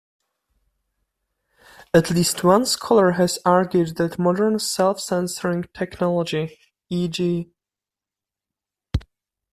At least one scholar has argued that modern self-censoring technology—"e.g.